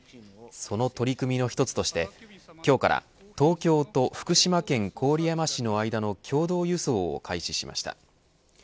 その取り組みの一つとして今日から東京と福島県郡山市の間の共同輸送を開始しました。